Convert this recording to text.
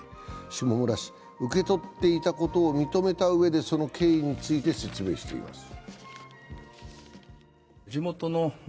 下村氏、受け取っていたことを認めたうえでその経緯について説明しています。